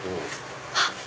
あっ！